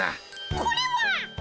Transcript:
これはっ！